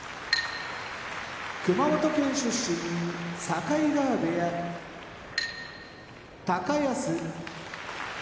熊本県出身境川部屋高安